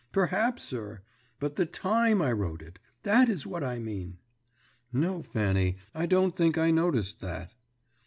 "Perhaps, sir, but the time I wrote it; that is what I mean." "No, Fanny, I don't think I noticed that."